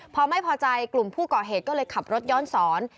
พอไม่พอใจกลุ่มผู้ก่อเหตุก็เลยขับรถย้อนสอน